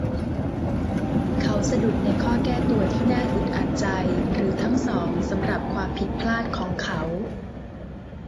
เขาสะดุดในข้อแก้ตัวที่น่าอึดอัดใจหรือทั้งสองสำหรับความผิดพลาดของเขา